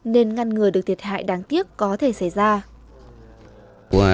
nên ngăn ngừa được thiệt hại đáng tiếc có thể xảy ra